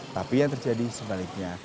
tapi yang terjadi sebaliknya